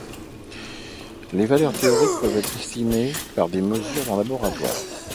Des valeurs théoriques peuvent être estimées par des mesures en laboratoire.